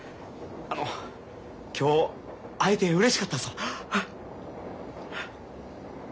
あの今日会えてうれしかったですわ。